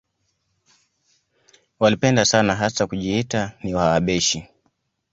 Walipenda sana hasa kujiita ni Wahabeshi